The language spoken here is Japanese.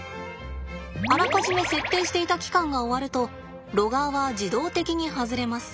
あらかじめ設定していた期間が終わるとロガーは自動的に外れます。